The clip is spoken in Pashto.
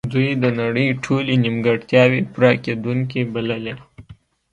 دوی د نړۍ ټولې نیمګړتیاوې پوره کیدونکې بللې